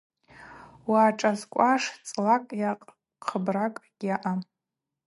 Угӏашӏазкӏуаш цӏлакӏ йа кыбракӏ гьаъам.